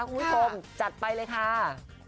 โอ้โฮจัดไปเลยค่ะ